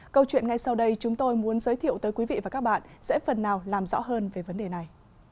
câu chuyện ngay sau đây chúng tôi muốn giới thiệu tới quý vị và các bạn sẽ phần nào làm rõ hơn về vấn đề này